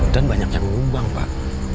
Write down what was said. dan banyak yang mengumbang pak